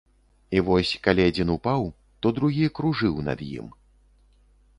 І вось калі адзін упаў, то другі кружыў над ім.